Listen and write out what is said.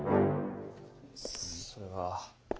それは。